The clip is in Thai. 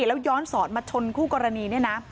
แล้วย้อนสอนมาชนคู่กรณีเนี่ยนะ